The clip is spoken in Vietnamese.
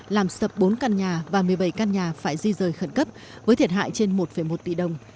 làm sập bốn căn nhà và một mươi bảy căn nhà phải di rời khẩn cấp với thiệt hại trên một một tỷ đồng